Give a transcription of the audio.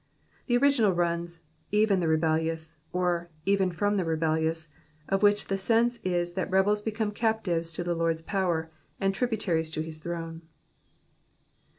The original runs, *' even the rebellious," or, even from the rebellious," of which the sense is that rebels become captives to the Lord's power, and tributaries to his throne.